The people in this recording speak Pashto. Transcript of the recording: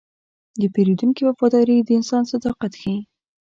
د پیرودونکي وفاداري د انسان صداقت ښيي.